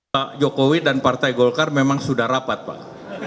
pak jokowi dan partai golkar memang sudah rapat pak